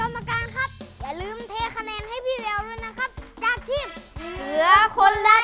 เห็นกรรมการครับอย่าลืมเทคะแนนให้พี่แววด้วยนะครับ